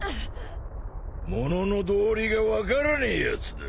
ものの道理が分からねえやつだ。